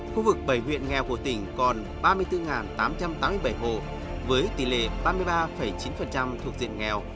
khu vực bảy huyện nghèo của tỉnh còn ba mươi bốn tám trăm tám mươi bảy hộ với tỷ lệ ba mươi ba chín thuộc diện nghèo